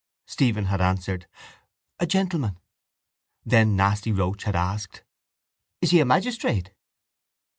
Stephen had answered: —A gentleman. Then Nasty Roche had asked: —Is he a magistrate?